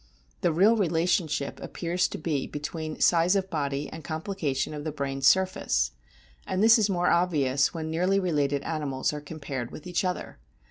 The real relationship appears to be between size of body and complication of the brain's surface. And this is more obvious when nearly related animals are compared with each other.